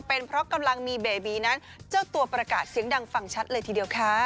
เป็นเพราะกำลังมีเบบีนั้นเจ้าตัวประกาศเสียงดังฟังชัดเลยทีเดียวค่ะ